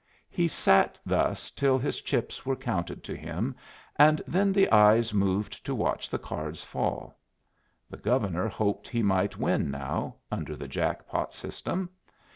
He sat thus till his chips were counted to him, and then the eyes moved to watch the cards fall. The Governor hoped he might win now, under the jack pot system.